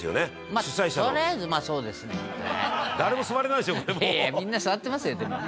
「いやいやみんな座ってますよでも」